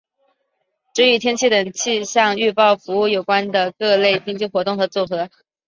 指与天气等气象预报服务有关的各类经济活动的总和。